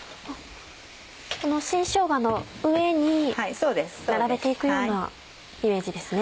この新しょうがの上に並べて行くようなイメージですね。